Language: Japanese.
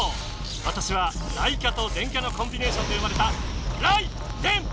わたしは雷キャと電キャのコンビネーションで生まれた「ライ」「デェン」！